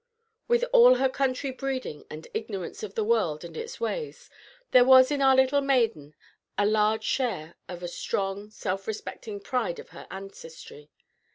With all her country breeding and ignorance of the world and its ways, there was in our little maiden a large share of the strong, self respecting pride of her ancestry.